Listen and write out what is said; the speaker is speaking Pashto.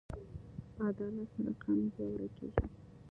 په عدالت سره قانون پیاوړی کېږي.